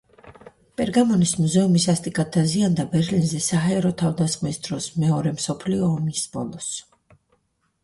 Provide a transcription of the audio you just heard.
პერგამონის მუზეუმი სასტიკად დაზიანდა ბერლინზე საჰაერო თავდასხმის დროს მეორე მსოფლიო ომის ბოლოს.